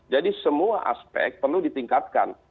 jadi semua aspek perlu ditingkatkan